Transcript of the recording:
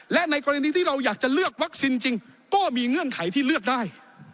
และในกรณีที่เราอยากจะเลือกวัคซีนจริงก็มีเงื่อนไขที่เลือกได้